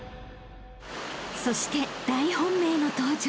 ［そして大本命の登場］